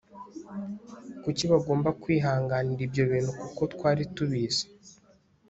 kuki bagomba kwihanganira ibyo bintu kuko twari tubizi ?